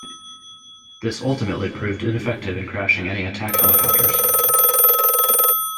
This ultimately proved ineffective in crashing any attack helicopters.